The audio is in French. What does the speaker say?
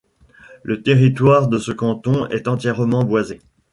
Le territoire de ce canton est entièrement boisé.